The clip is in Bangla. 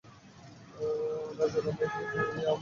রাজা রমাইয়ের দিকে চাহিয়া হাসিয়া কহিলেন, ঠিক বলিয়াছ রমাই।